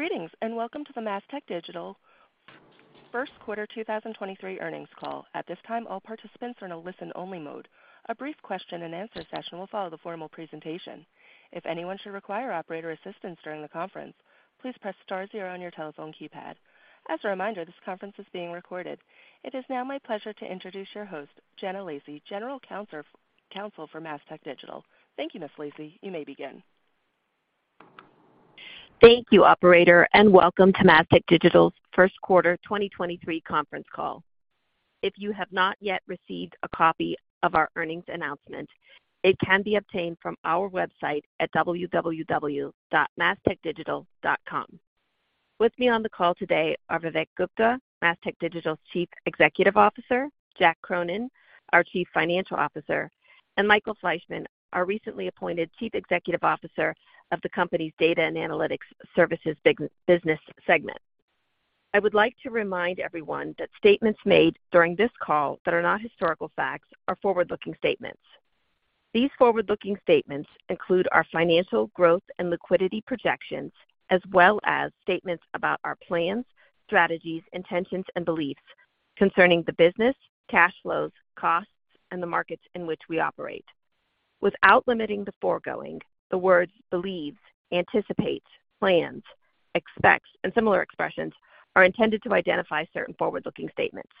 Greetings, welcome to the Mastech Digital first quarter 2023 earnings call. At this time, all participants are in a listen-only mode. A brief question-and-answer session will follow the formal presentation. If anyone should require operator assistance during the conference, please press Star zero on your telephone keypad. As a reminder, this conference is being recorded. It is now my pleasure to introduce your host, Jenna Lacy, General Counsel for Mastech Digital. Thank you, Ms. Lacy. You may begin. Thank you, operator, welcome to Mastech Digital's first quarter 2023 conference call. If you have not yet received a copy of our earnings announcement, it can be obtained from our website at www.mastechdigital.com. With me on the call today are Vivek Gupta, Mastech Digital's Chief Executive Officer, Jack Cronin, our Chief Financial Officer, Michael Fleischman, our recently appointed Chief Executive Officer of the company's Data and Analytics Services business segment. I would like to remind everyone that statements made during this call that are not historical facts are forward-looking statements. These forward-looking statements include our financial growth and liquidity projections, as well as statements about our plans, strategies, intentions, and beliefs concerning the business, cash flows, costs, and the markets in which we operate. Without limiting the foregoing, the words believes, anticipates, plans, expects, and similar expressions, are intended to identify certain forward-looking statements.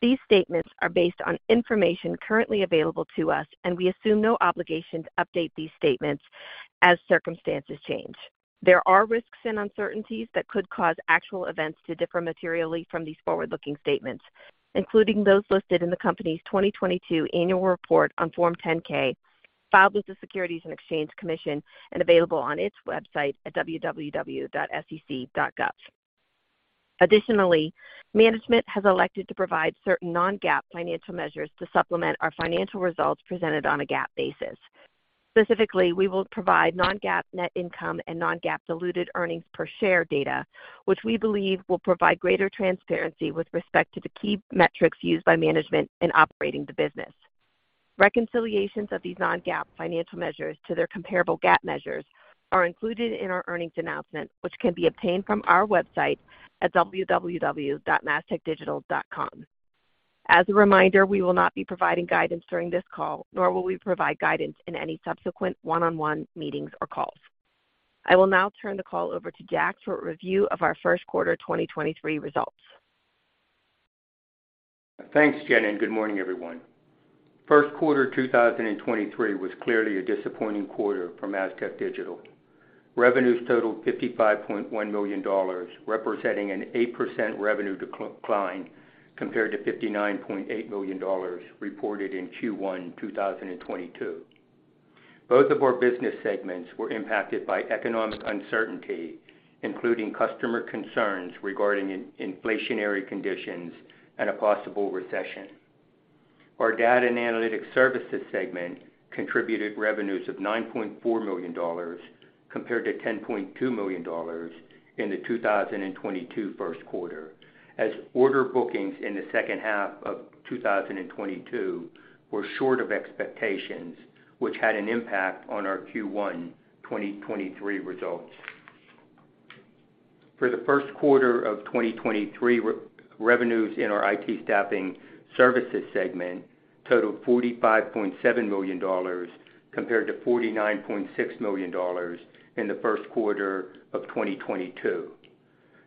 These statements are based on information currently available to us. We assume no obligation to update these statements as circumstances change. There are risks and uncertainties that could cause actual events to differ materially from these forward-looking statements, including those listed in the company's 2022 annual report on Form 10-K, filed with the Securities and Exchange Commission and available on its website at www.sec.gov. Additionally, management has elected to provide certain non-GAAP financial measures to supplement our financial results presented on a GAAP basis. Specifically, we will provide non-GAAP net income and non-GAAP diluted earnings per share data, which we believe will provide greater transparency with respect to the key metrics used by management in operating the business. Reconciliations of these non-GAAP financial measures to their comparable GAAP measures are included in our earnings announcement, which can be obtained from our website at www.mastechdigital.com. As a reminder, we will not be providing guidance during this call, nor will we provide guidance in any subsequent one-on-one meetings or calls. I will now turn the call over to Jack for a review of our first quarter 2023 results. Thanks, Jenna. Good morning, everyone. First quarter 2023 was clearly a disappointing quarter for Mastech Digital. Revenues totaled $55.1 million, representing an 8% revenue decline compared to $59.8 million reported in Q1 2022. Both of our business segments were impacted by economic uncertainty, including customer concerns regarding inflationary conditions and a possible recession. Our Data and Analytics Services segment contributed revenues of $9.4 million compared to $10.2 million in the 2022 first quarter, as order bookings in the second half of 2022 were short of expectations, which had an impact on our Q1 2023 results. For the first quarter of 2023, revenues in our IT Staffing Services segment totaled $45.7 million compared to $49.6 million in the first quarter of 2022.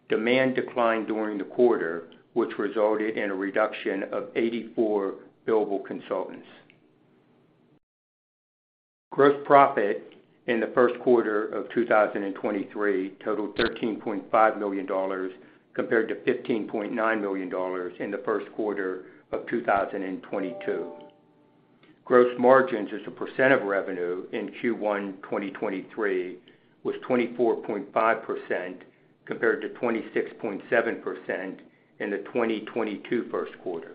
Demand declined during the quarter, which resulted in a reduction of 84 billable consultants. Gross profit in the first quarter of 2023 totaled $13.5 million compared to $15.9 million in the first quarter of 2022. Gross margins as a percent of revenue in Q1 2023 was 24.5% compared to 26.7% in the 2022 first quarter.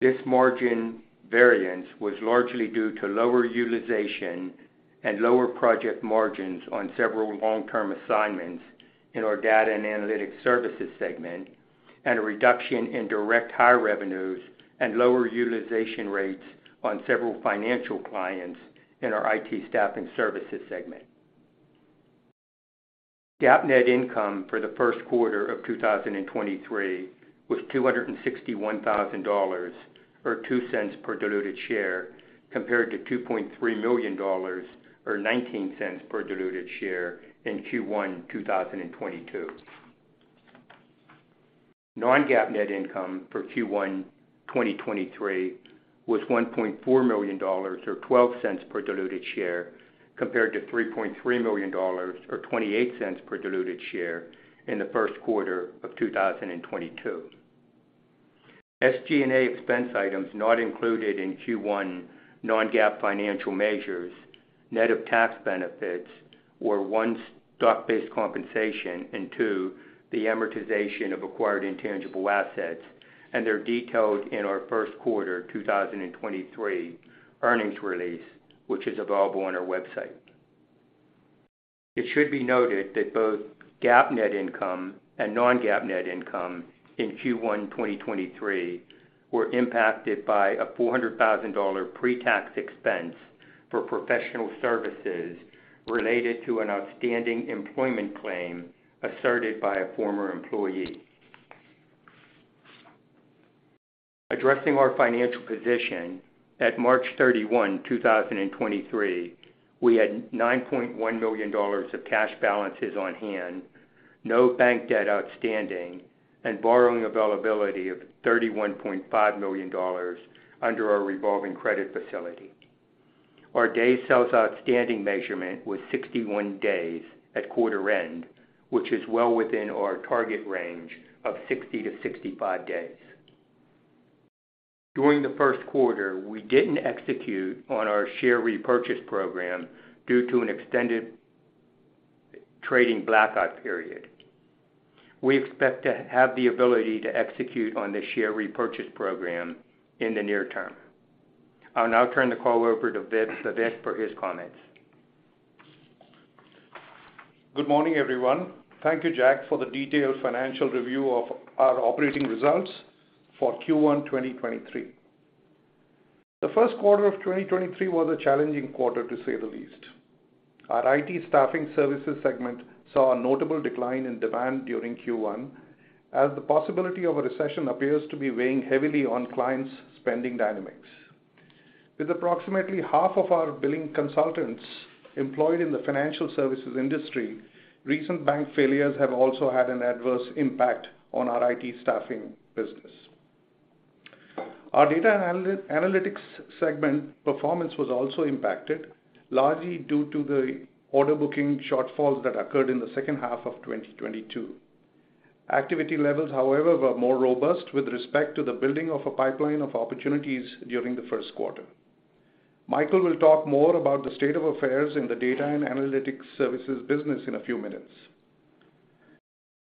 This margin variance was largely due to lower utilization and lower project margins on several long-term assignments in our Data and Analytics Services segment, and a reduction in direct hire revenues and lower utilization rates on several financial clients in our IT Staffing Services segment. GAAP net income for the first quarter of 2023 was $261,000 or $0.02 per diluted share, compared to $2.3 million or $0.19 per diluted share in Q1 2022. non-GAAP net income for Q1 2023 was $1.4 million or $0.12 per diluted share, compared to $3.3 million or $0.28 per diluted share in the first quarter of 2022. SG&A expense items not included in Q1 non-GAAP financial measures, net of tax benefits, were, one, stock-based compensation, and two, the amortization of acquired intangible assets. They're detailed in our first quarter 2023 earnings release, which is available on our website. It should be noted that both GAAP net income and non-GAAP net income in Q1 2023 were impacted by a $400,000 pre-tax expense for professional services related to an outstanding employment claim asserted by a former employee. Addressing our financial position, at March 31, 2023, we had $9.1 million of cash balances on hand, no bank debt outstanding, and borrowing availability of $31.5 million under our revolving credit facility. Our days sales outstanding measurement was 61 days at quarter end, which is well within our target range of 60-65 days. During the first quarter, we didn't execute on our share repurchase program due to an extended trading blackout period. We expect to have the ability to execute on the share repurchase program in the near term. I'll now turn the call over to Vivek for his comments. Good morning, everyone. Thank you, Jack, for the detailed financial review of our operating results for Q1 2023. The first quarter of 2023 was a challenging quarter, to say the least. Our IT Staffing Services segment saw a notable decline in demand during Q1, as the possibility of a recession appears to be weighing heavily on clients' spending dynamics. With approximately half of our billing consultants employed in the financial services industry, recent bank failures have also had an adverse impact on our IT Staffing business. Our Data and Analytics Services segment performance was also impacted, largely due to the order booking shortfalls that occurred in the second half of 2022. Activity levels, however, were more robust with respect to the building of a pipeline of opportunities during the first quarter. Michael will talk more about the state of affairs in the Data and Analytics Services business in a few minutes.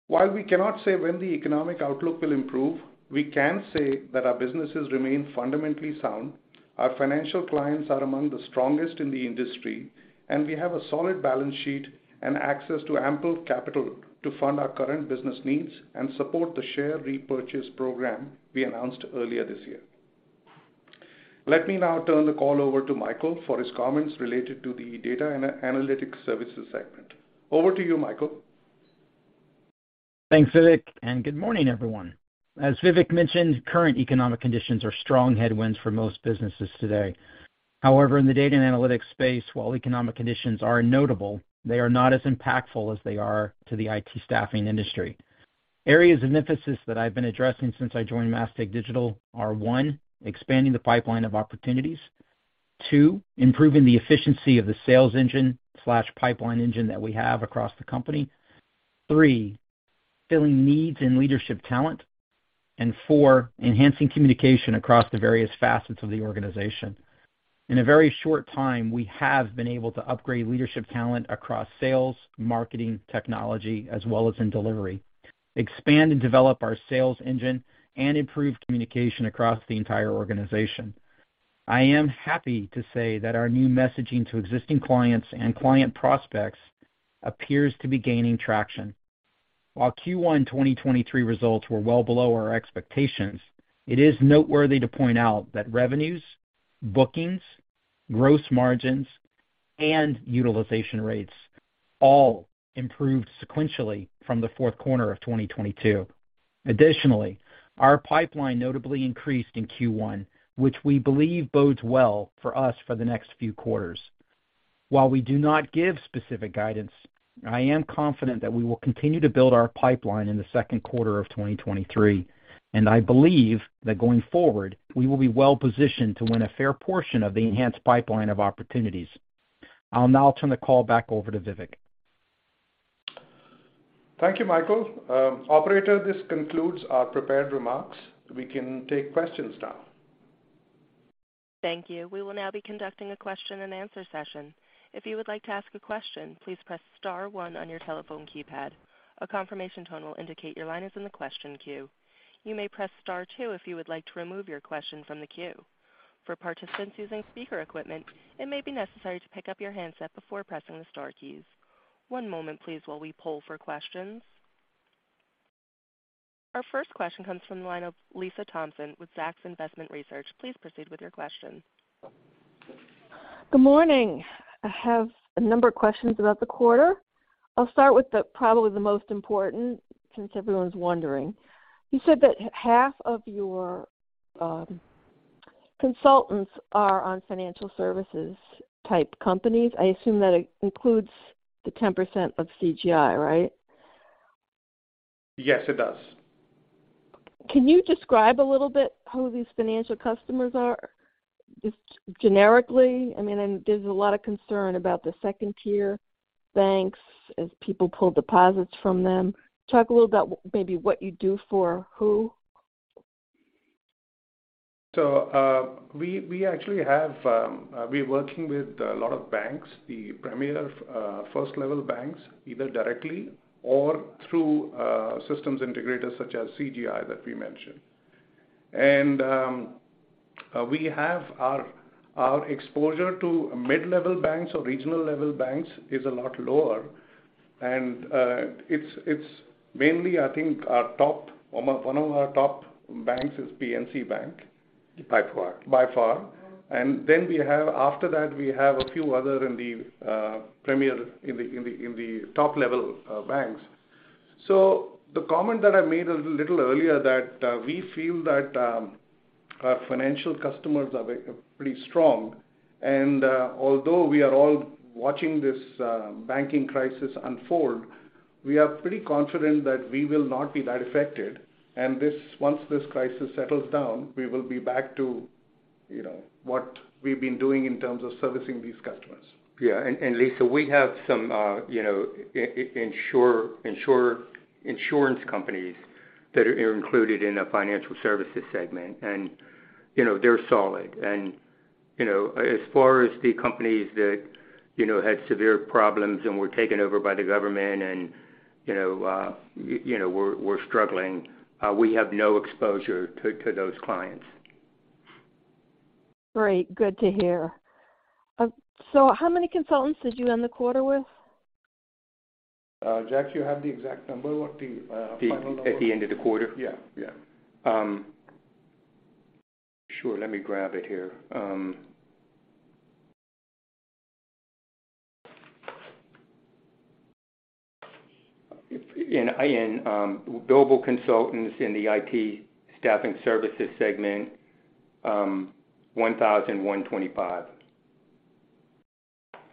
While we cannot say when the economic outlook will improve, we can say that our businesses remain fundamentally sound. Our financial clients are among the strongest in the industry. We have a solid balance sheet and access to ample capital to fund our current business needs and support the share repurchase program we announced earlier this year. Let me now turn the call over to Michael for his comments related to the Data and Analytics Services segment. Over to you, Michael. Thanks, Vivek, good morning, everyone. As Vivek mentioned, current economic conditions are strong headwinds for most businesses today. However, in the Data and Analytics space, while economic conditions are notable, they are not as impactful as they are to the IT Staffing industry. Areas of emphasis that I've been addressing since I joined Mastech Digital are, one, expanding the pipeline of opportunities. two, improving the efficiency of the sales engine/pipeline engine that we have across the company. three, filling needs in leadership talent. Four, enhancing communication across the various facets of the organization. In a very short time, we have been able to upgrade leadership talent across sales, marketing, technology, as well as in delivery, expand and develop our sales engine, and improve communication across the entire organization. I am happy to say that our new messaging to existing clients and client prospects appears to be gaining traction. While Q1 2023 results were well below our expectations, it is noteworthy to point out that revenues, bookings, gross margins, and utilization rates all improved sequentially from the fourth quarter of 2023. Additionally, our pipeline notably increased in Q1, which we believe bodes well for us for the next few quarters. While we do not give specific guidance, I am confident that we will continue to build our pipeline in the second quarter of 2023, and I believe that going forward, we will be well-positioned to win a fair portion of the enhanced pipeline of opportunities. I'll now turn the call back over to Vivek. Thank you, Michael. Operator, this concludes our prepared remarks. We can take questions now. Thank you. We will now be conducting a question-and-answer session. If you would like to ask a question, please press Star one on your telephone keypad. A confirmation tone will indicate your line is in the question queue. You may press Star two if you would like to remove your question from the queue. For participants using speaker equipment, it may be necessary to pick up your handset before pressing the Star keys. One moment, please, while we poll for questions. Our first question comes from the line of Lisa Thompson with Zacks Investment Research. Please proceed with your question. Good morning. I have a number of questions about the quarter. I'll start with the probably the most important, since everyone's wondering. You said that half of your consultants are on financial services type companies. I assume that includes the 10% of CGI, right? Yes, it does. Can you describe a little bit who these financial customers are, just generically? I mean, there's a lot of concern about the second-tier banks as people pull deposits from them. Talk a little about maybe what you do for who. We actually have. We're working with a lot of banks, the premier first-level banks, either directly or through systems integrators such as CGI that we mentioned. We have our exposure to mid-level banks or regional level banks is a lot lower. It's mainly, I think, one of our top banks is PNC Bank. By far. By far. After that, we have a few other in the premier, in the top level banks. The comment that I made a little earlier that we feel that our financial customers are pretty strong. Although we are all watching this banking crisis unfold, we are pretty confident that we will not be that affected. Once this crisis settles down, we will be back to, you know, what we've been doing in terms of servicing these customers. Yeah. Lisa, we have some, you know, insurance companies that are included in the Financial Services segment. You know, they're solid. You know, as far as the companies that, you know, had severe problems and were taken over by the government and, you know, you know, were struggling, we have no exposure to those clients. Great. Good to hear. How many consultants did you end the quarter with? Jack, do you have the exact number? At the end of the quarter? Yeah. Yeah. Sure. Let me grab it here. In billable consultants in the IT Staffing Services segment, 1,125.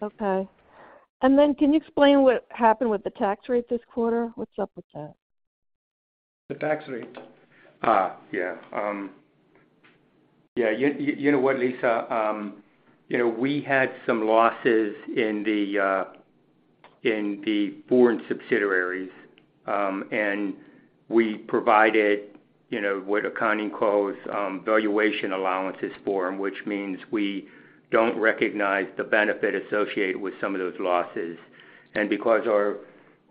Okay. Then can you explain what happened with the tax rate this quarter? What's up with that? The tax rate. Yeah. You know what, Lisa, you know, we had some losses in the foreign subsidiaries. We provided, you know, what accounting calls, valuation allowances for them, which means we don't recognize the benefit associated with some of those losses. Because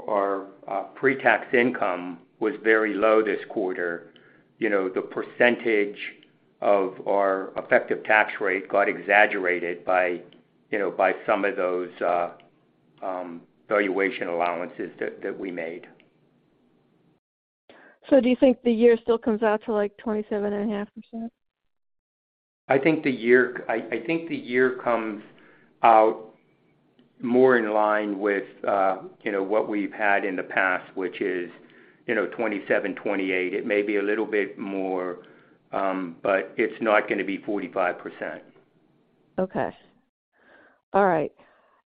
our pretax income was very low this quarter, you know, the percentage of our effective tax rate got exaggerated by, you know, by some of those valuation allowances that we made. Do you think the year still comes out to, like, 27.5%? I think the year comes out more in line with, you know, what we've had in the past, which is, you know, 27%, 28%. It may be a little bit more, but it's not gonna be 45%. Okay. All right.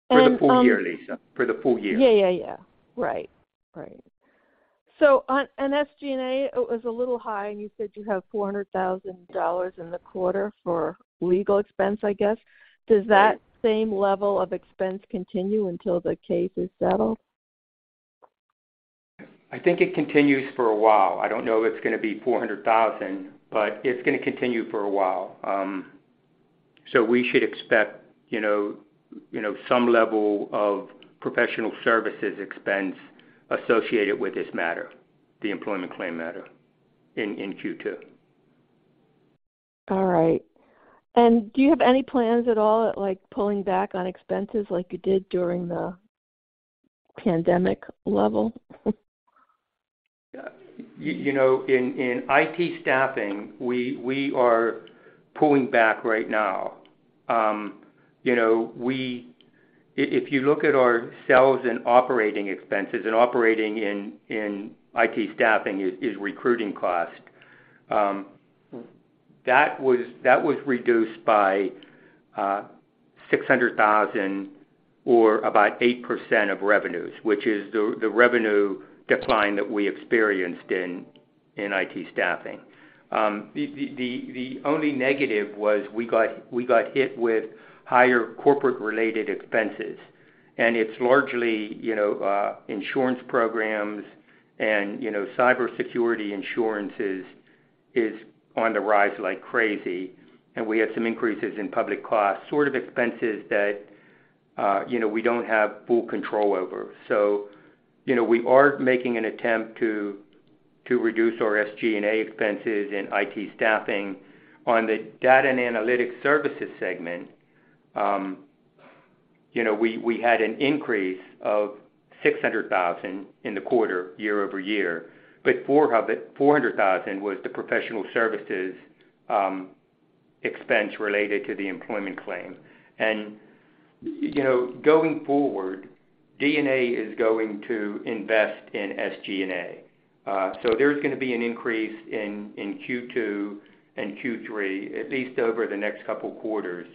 For the full-year, Lisa. For the full year. Yeah. Yeah. Yeah. Right. Right. SG&A was a little high, and you said you have $400,000 in the quarter for legal expense, I guess. Does that same level of expense continue until the case is settled? I think it continues for a while. I don't know if it's gonna be $400,000, but it's gonna continue for a while. We should expect, you know, some level of professional services expense associated with this matter, the employment claim matter in Q2. All right. Do you have any plans at all, like pulling back on expenses like you did during the pandemic level? You know, in IT Staffing, we are pulling back right now. You know, if you look at our sales and operating expenses, and operating in IT Staffing is recruiting cost. That was reduced by $600,000 or about 8% of revenues, which is the revenue decline that we experienced in IT Staffing. The only negative was we got hit with higher corporate related expenses, and it's largely, you know, insurance programs and, you know, cybersecurity insurances is on the rise like crazy, and we had some increases in public costs, sort of expenses that, you know, we don't have full control over. You know, we are making an attempt to reduce our SG&A expenses in IT Staffing. On the Data and Analytics Services segment, you know, we had an increase of $600,000 in the quarter year-over-year, but $400,000 was the professional services expense related to the employment claim. You know, going forward, D&A is going to invest in SG&A. There's gonna be an increase in Q2 and Q3 at least over the next couple quarters,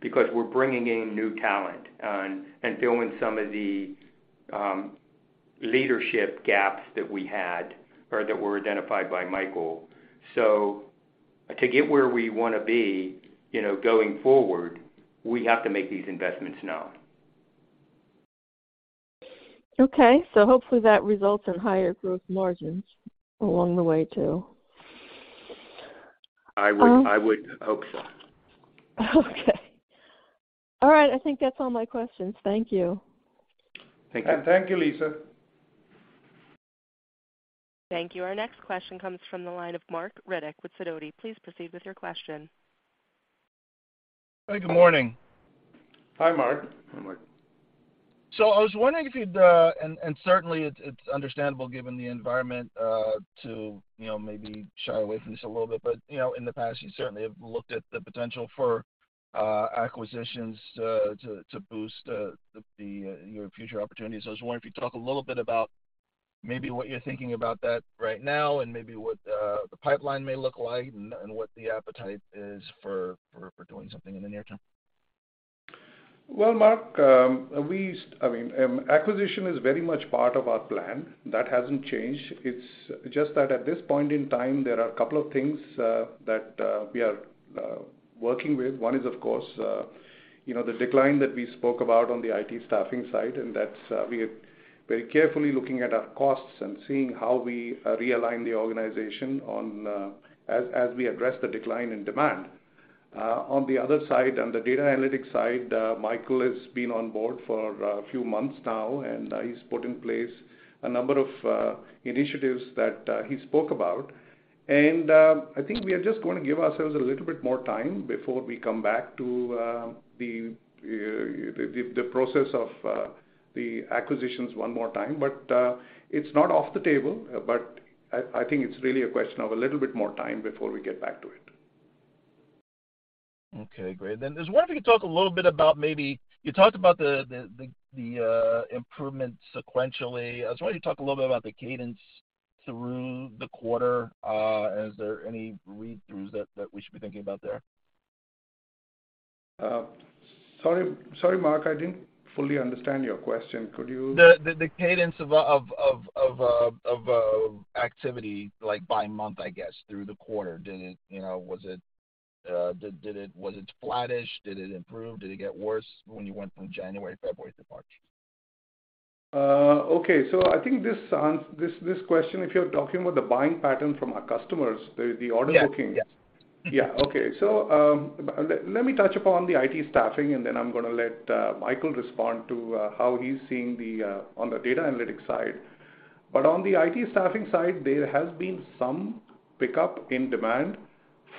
because we're bringing in new talent and filling some of the leadership gaps that we had or that were identified by Michael. To get where we wanna be, you know, going forward, we have to make these investments now. Okay. Hopefully that results in higher growth margins along the way too. I would hope so. Okay. All right. I think that's all my questions. Thank you. Thank you. Thank you, Lisa. Thank you. Our next question comes from the line of Marc Riddick with Sidoti. Please proceed with your question. Good morning. Hi, Mark. Hi, Mark. I was wondering if you'd, and certainly it's understandable given the environment to, you know, maybe shy away from this a little bit. But, you know, in the past, you certainly have looked at the potential for acquisitions to boost the, your future opportunities. So I was wondering if you could talk a little bit about maybe what you're thinking about that right now and maybe what the pipeline may look like and what the appetite is for doing something in the near term? Well, Mark, I mean, acquisition is very much part of our plan. That hasn't changed. It's just that at this point in time, there are a couple of things that we are working with. One is of course, you know, the decline that we spoke about on the IT Staffing side, and that's, we are very carefully looking at our costs and seeing how we realign the organization on as we address the decline in demand. On the other side, on the Data and Analytics side, Michael has been on board for a few months now, and he's put in place a number of initiatives that he spoke about. I think we are just going to give ourselves a little bit more time before we come back to the process of the acquisitions one more time. It's not off the table, but I think it's really a question of a little bit more time before we get back to it. Okay, great. I was wondering if you could talk a little bit about maybe. You talked about the improvement sequentially. I was wondering if you could talk a little bit about the cadence through the quarter, and is there any read-throughs that we should be thinking about there? Sorry, Mark, I didn't fully understand your question. The cadence of activity, like by month, I guess, through the quarter. Did it, you know? Was it flattish? Did it improve? Did it get worse when you went from January, February to March? Okay. I think this question, if you're talking about the buying pattern from our customers, the order bookings. Yes. Yes. Yeah. Okay. Let me touch upon the IT Staffing, and then I'm gonna let Michael respond to how he's seeing the on the Data Analytics side. On the IT Staffing side, there has been some pickup in demand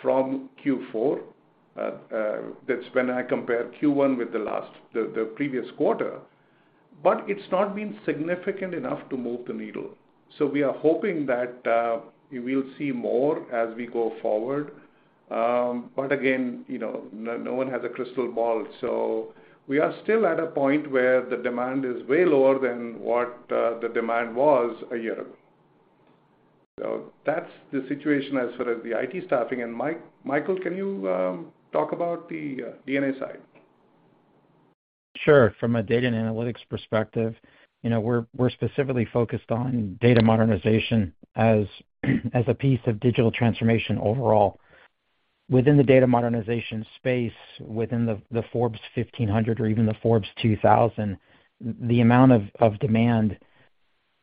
from Q4. That's when I compare Q1 with the previous quarter. It's not been significant enough to move the needle. We are hoping that we'll see more as we go forward. But again, you know, no one has a crystal ball. We are still at a point where the demand is way lower than what the demand was a year ago. That's the situation as far as the IT Staffing. Michael, can you talk about the D&A side? Sure. From a Data and Analytics perspective, you know, we're specifically focused on Data modernization as a piece of digital transformation overall. Within the data modernization space, within the Forbes 1500 or even the Forbes 2000, the amount of demand,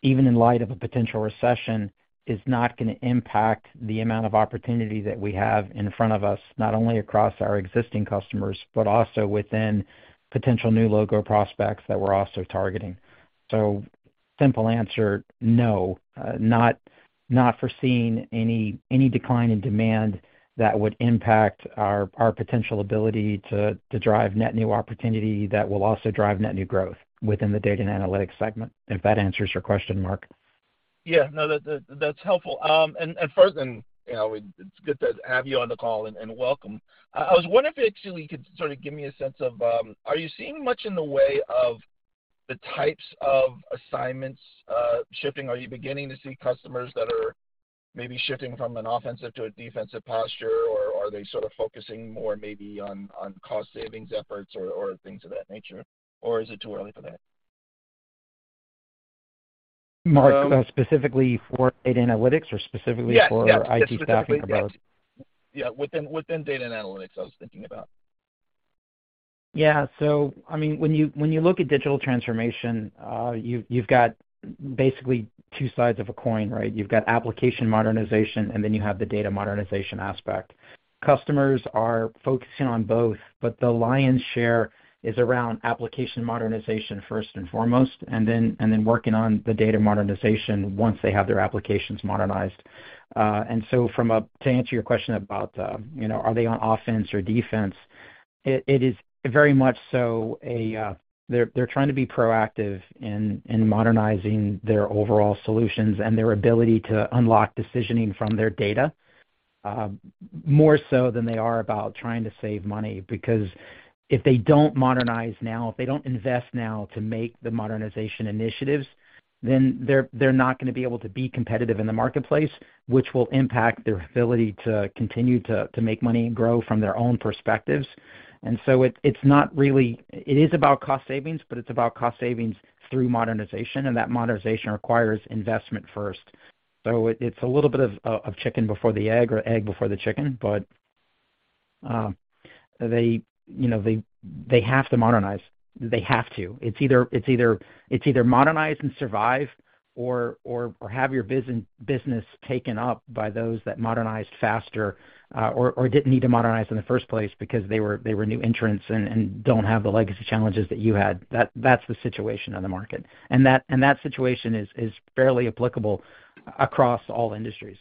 even in light of a potential recession, is not gonna impact the amount of opportunity that we have in front of us, not only across our existing customers, but also within potential new logo prospects that we're also targeting. Simple answer, no. Not foreseeing any decline in demand that would impact our potential ability to drive net new opportunity that will also drive net new growth within the Data and Analytics segment, if that answers your question, Mark. Yeah. No, that's helpful. First then, you know, it's good to have you on the call, and welcome. I was wondering if actually you could sort of give me a sense of, are you seeing much in the way of the types of assignments, shifting? Are you beginning to see customers that are maybe shifting from an offensive to a defensive posture, or are they sort of focusing more maybe on cost savings efforts or things of that nature, or is it too early for that? Mark, specifically for data analytics or specifically? Yes. Yes. IT Staffing or both? Yes, specifically that. Yeah. Within Data and Analytics, I was thinking about. Yeah. I mean, when you look at digital transformation, you've got basically two sides of a coin, right? You've got application modernization, and then you have the data modernization aspect. Customers are focusing on both, but the lion's share is around application modernization first and foremost, and then working on the data modernization once they have their applications modernized. To answer your question about, you know, are they on offense or defense, it is very much so a. They're trying to be proactive in modernizing their overall solutions and their ability to unlock decisioning from their data, more so than they are about trying to save money. If they don't modernize now, if they don't invest now to make the modernization initiatives, then they're not gonna be able to be competitive in the marketplace, which will impact their ability to continue to make money and grow from their own perspectives. It's not really. It is about cost savings, but it's about cost savings through modernization, and that modernization requires investment first. It's a little bit of chicken before the egg or egg before the chicken. They, you know, they have to modernize. They have to. It's either modernize and survive or have your business taken up by those that modernized faster, or didn't need to modernize in the first place because they were new entrants and don't have the legacy challenges that you had. That's the situation on the market. That situation is fairly applicable across all industries.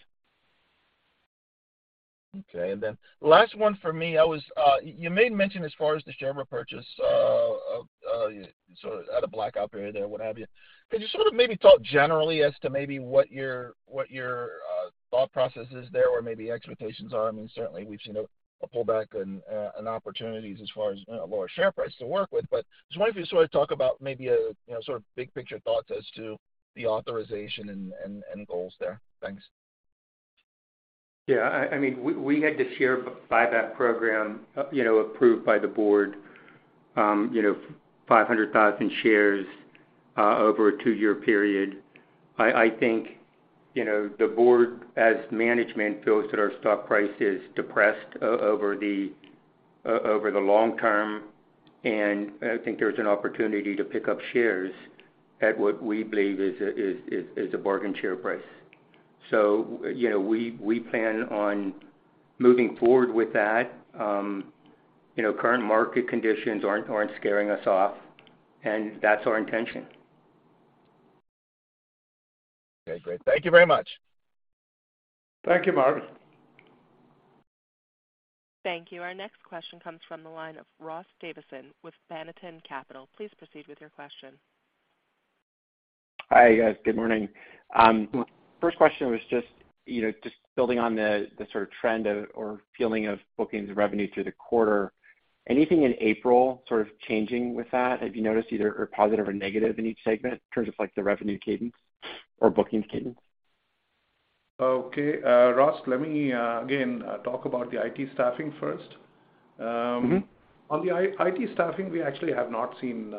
Okay. Last one for me, I was, you made mention as far as the share repurchase, of, sort of at a blackout period there, what have you. Could you sort of maybe talk generally as to maybe what your, what your, thought process is there or maybe expectations are? I mean, certainly we've seen a pullback and opportunities as far as, you know, lower share price to work with. Just wonder if you sort of talk about maybe a, you know, sort of big picture thoughts as to the authorization and, and goals there. Thanks. Yeah, I mean, we had the share buyback program, you know, approved by the board, you know, 500,000 shares over a two-year period. I think, you know, the board as management feels that our stock price is depressed over the long-term, and I think there's an opportunity to pick up shares at what we believe is a bargain share price. You know, we plan on moving forward with that. You know, current market conditions aren't scaring us off, and that's our intention. Okay, great. Thank you very much. Thank you, Mark. Thank you. Our next question comes from the line of Ross Davison with Banatin Capital. Please proceed with your question. Hi, guys. Good morning. First question was just, you know, just building on the sort of trend of or feeling of bookings revenue through the quarter. Anything in April sort of changing with that? Have you noticed either or positive or negative in each segment in terms of like the revenue cadence or bookings cadence? Okay. Ross, let me again, talk about the IT Staffing first. Mm-hmm. On the IT Staffing, we actually have not seen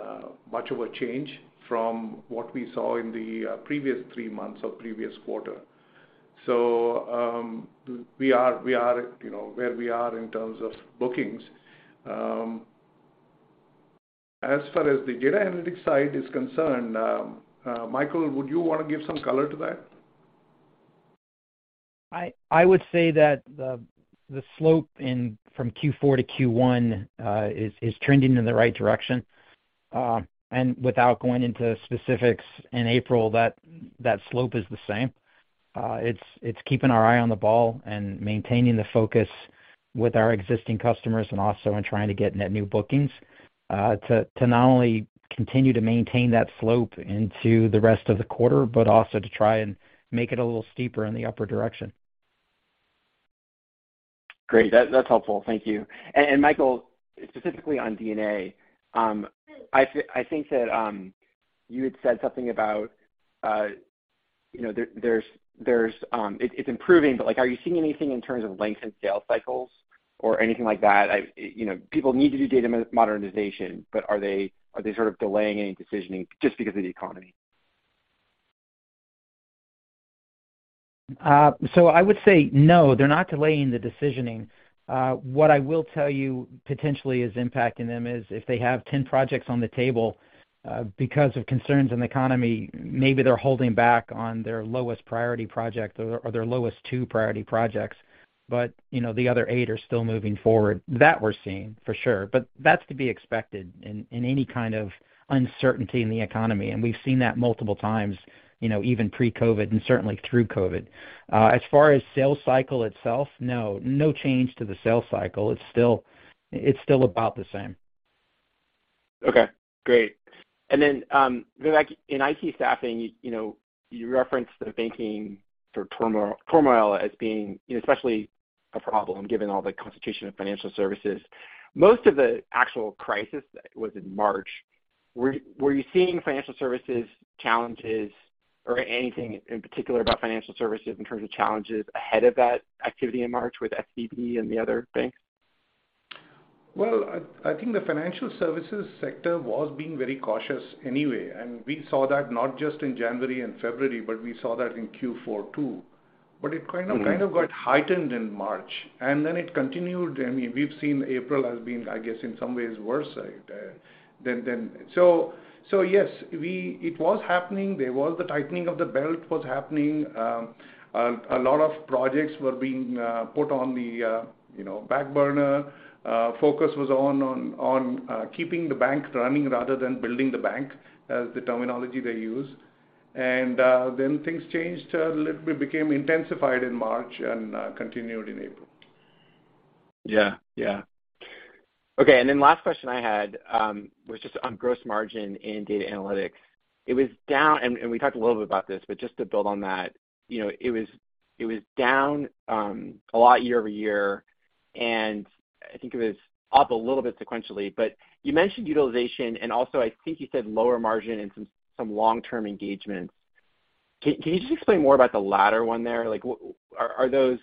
much of a change from what we saw in the previous THREE months or previous quarter. We are, you know, where we are in terms of bookings. As far as the data analytics side is concerned, Michael, would you wanna give some color to that? I would say that the slope in from Q4 to Q1 is trending in the right direction. Without going into specifics in April, that slope is the same. It's keeping our eye on the ball and maintaining the focus with our existing customers and also in trying to get net new bookings to not only continue to maintain that slope into the rest of the quarter, but also to try and make it a little steeper in the upper direction. Great. That's helpful. Thank you. And Michael, specifically on D&A, I think that you had said something about, you know, there's it's improving, but, like, are you seeing anything in terms of length and sales cycles or anything like that? You know, people need to do data modernization, but are they sort of delaying any decisioning just because of the economy? I would say no, they're not delaying the decisioning. What I will tell you potentially is impacting them is if they have 10 projects on the table, because of concerns in the economy, maybe they're holding back on their lowest priority project or their lowest two priority projects, but, you know, the other eight are still moving forward. That we're seeing for sure, but that's to be expected in any kind of uncertainty in the economy, and we've seen that multiple times, you know, even pre-COVID and certainly through COVID. As far as sales cycle itself, no change to the sales cycle. It's still about the same. Okay, great. Vivek, in IT staffing, you know, you referenced the banking sort of turmoil as being, you know, especially a problem given all the concentration of financial services. Most of the actual crisis was in March. Were you seeing financial services challenges or anything in particular about financial services in terms of challenges ahead of that activity in March with SVB and the other banks? Well, I think the financial services sector was being very cautious anyway, and we saw that not just in January and February, but we saw that in Q4 too. Mm-hmm Kind of got heightened in March, and then it continued. I mean, we've seen April has been, I guess, in some ways worse than. Yes, it was happening. There was the tightening of the belt was happening. A lot of projects were being put on the, you know, back burner. Focus was on keeping the bank running rather than building the bank, as the terminology they use. Then things changed a little bit, became intensified in March and continued in April. Yeah. Yeah. Okay. Last question I had, was just on gross margin in Data Analytics. It was down, and we talked a little bit about this, but just to build on that. You know, it was down, a lot year-over-year, and I think it was up a little bit sequentially. You mentioned utilization, and also I think you said lower margin and some long-term engagements. Can you just explain more about the latter one there? Like, Are those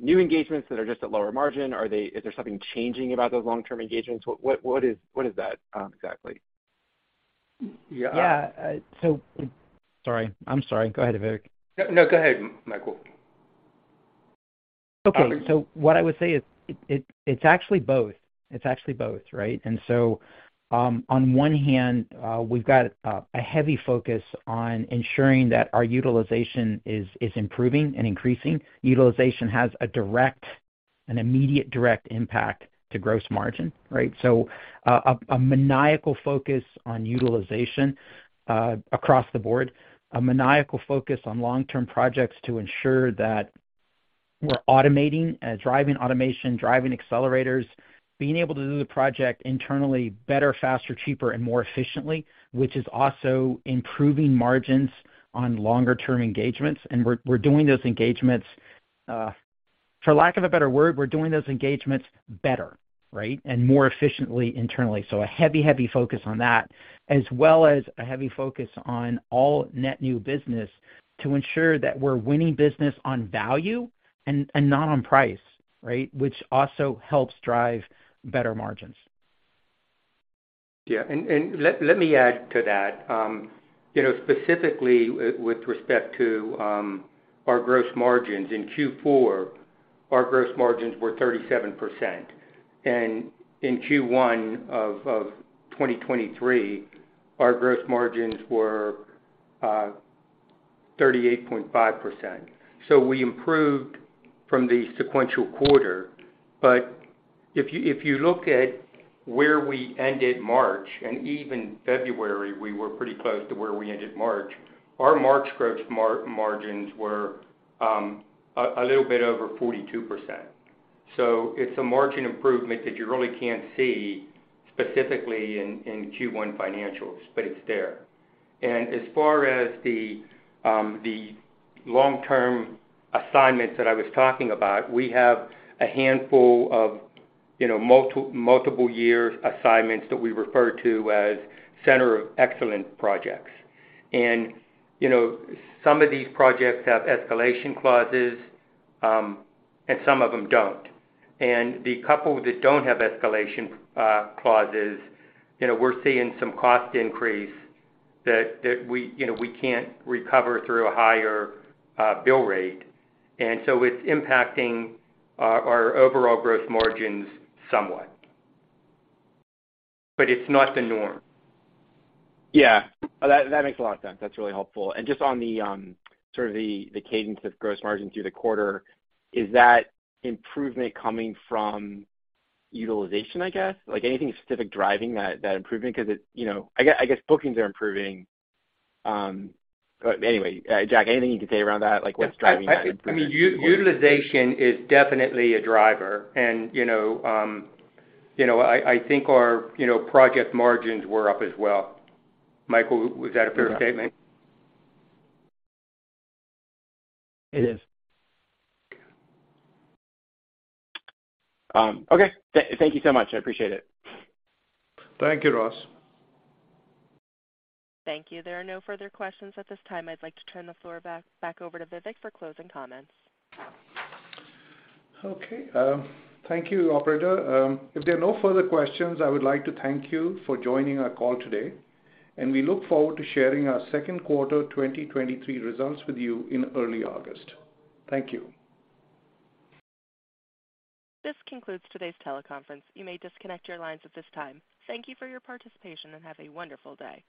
new engagements that are just at lower margin? Are they... Is there something changing about those long-term engagements? What is that, exactly? Yeah. Sorry. I'm sorry. Go ahead, Vivek. No, no, go ahead, Michael. Okay. What I would say is it's actually both. It's actually both, right? On one hand, we've got a heavy focus on ensuring that our utilization is improving and increasing. Utilization has an immediate direct impact to gross margin, right? A maniacal focus on utilization across the board, a maniacal focus on long-term projects to ensure that we're automating, driving automation, driving accelerators, being able to do the project internally better, faster, cheaper, and more efficiently, which is also improving margins on longer term engagements. We're doing those engagements, for lack of a better word, we're doing those engagements better, right? More efficiently internally. A heavy focus on that, as well as a heavy focus on all net new business to ensure that we're winning business on value and not on price, right, which also helps drive better margins. Yeah. Let me add to that. you know, specifically with respect to our gross margins, in Q4, our gross margins were 37%. In Q1 of 2023, our gross margins were 38.5%. We improved from the sequential quarter. If you look at where we ended March, and even February, we were pretty close to where we ended March. Our March gross margins were a little bit over 42%. It's a margin improvement that you really can't see specifically in Q1 financials, but it's there. As far as the long-term assignments that I was talking about, we have a handful of, you know, multiple-year assignments that we refer to as center of excellence projects. You know, some of these projects have escalation clauses, and some of them don't. The couple that don't have escalation clauses, you know, we're seeing some cost increase that we, you know, we can't recover through a higher bill rate. So it's impacting our overall gross margins somewhat. It's not the norm. Yeah. That makes a lot of sense. That's really helpful. Just on the sort of the cadence of gross margins through the quarter, is that improvement coming from utilization, I guess? Like, anything specific driving that improvement? You know, I guess bookings are improving. Anyway, Jack, anything you can say around that? Like, what's driving that improvement in the margin? I mean, utilization is definitely a driver and, you know, you know, I think our, you know, project margins were up as well. Michael, was that a fair statement? It is. Okay. Thank you so much. I appreciate it. Thank you, Ross. Thank you. There are no further questions at this time. I'd like to turn the floor back over to Vivek for closing comments. Okay. Thank you, operator. If there are no further questions, I would like to thank you for joining our call today. We look forward to sharing our second quarter 2023 results with you in early August. Thank you. This concludes today's teleconference. You may disconnect your lines at this time. Thank you for your participation, and have a wonderful day.